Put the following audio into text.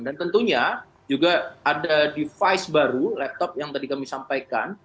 dan tentunya juga ada device baru laptop yang tadi kami sampaikan